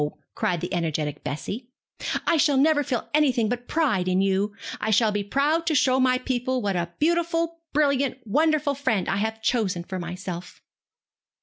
cried the energetic Bessie; 'I shall never feel anything but pride in you. I shall be proud to show my people what a beautiful, brilliant, wonderful friend I have chosen for myself.'